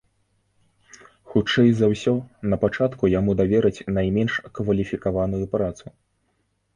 Хутчэй за ўсё, напачатку яму давераць найменш кваліфікаваную працу.